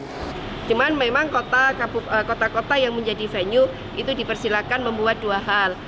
cuman memang kota kota yang menjadi venue itu dipersilakan membuat dua hal